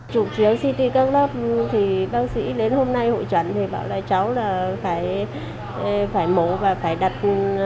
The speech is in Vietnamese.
chủ trưởng city club bác sĩ đến hôm nay hội chuẩn thì bảo là cháu là phải mổ và phải trở lại tỉnh sáng